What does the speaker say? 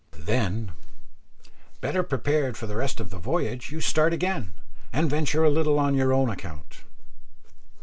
Then, better prepared for the rest of the voyage, you start again, and venture a little on your own account.